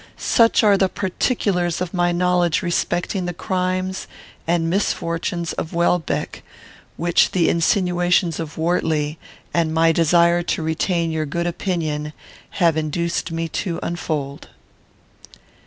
Such are the particulars of my knowledge respecting the crimes and misfortunes of Welbeck; which the insinuations of Wortley, and my desire to retain your good opinion, have induced me to unfold.